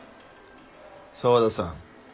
沢田さん